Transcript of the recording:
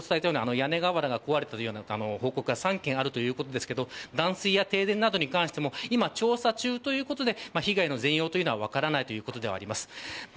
先ほど伝えたような屋根瓦が壊れてるというの報告は３件あるということですが断水や停電などに関しても今調査中ということで被害の全容は分からないということです。